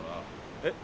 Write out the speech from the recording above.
え？